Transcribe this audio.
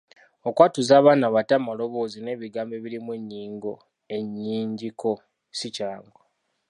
Okwatuza abaana abato amaloboozi n’ebigambo ebirimu ennyingo ennyingiko si kyangu.